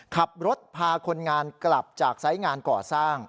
ขับรถพาคนงานกลับจากไซส์งานก่อสร้าง